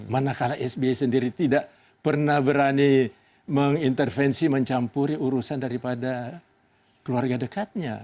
manakala sby sendiri tidak pernah berani mengintervensi mencampuri urusan daripada keluarga dekatnya